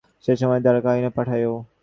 সে সময়ে দ্বারে কাহারা ছিল ডাকিয়া পাঠাও।